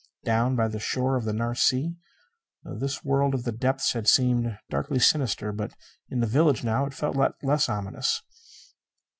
Down by the shore of the Nares Sea, this world of the depths had seemed darkly sinister. But in the village now, I felt it less ominous.